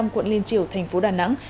quận liên triểu tp đà nẵng